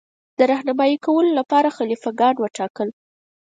د رهنمايي کولو لپاره خلیفه ګان وټاکل.